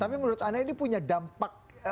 tapi menurut anda ini punya dampak